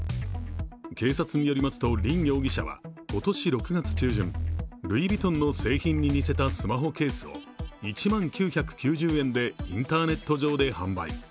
警察によりますと林容疑者は今年６月中旬、ルイ・ヴィトンの製品に似せたスマホケースを１万９９０円でインターネット上で販売。